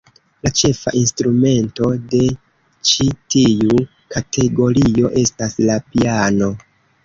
La ĉefa instrumento de ĉi tiu kategorio estas la piano.